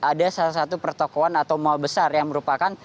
ada salah satu pertokoan atau mal besar yang merupakan